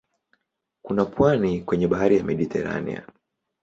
Kuna pwani kwenye bahari ya Mediteranea.